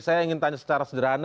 saya ingin tanya secara sederhana